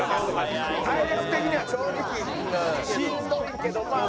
体力的には正直しんどいけどまあ